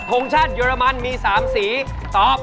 ทรงชาติเยอรมันมี๓สีตอบ